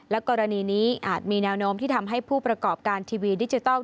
กรณีนี้อาจมีแนวโน้มที่ทำให้ผู้ประกอบการทีวีดิจิทัล